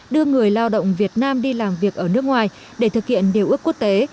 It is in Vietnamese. đưa người lao động việt nam đi làm việc ở nước ngoài để thực hiện điều ước quốc tế